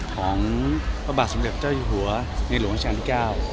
ของพระบาทสมเด็จเจ้าอยู่หัวในหลวงราชการที่๙